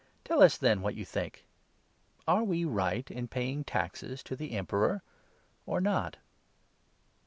Tell us, 17 then, what you think. Are we right in paying taxes to the Emperor, or not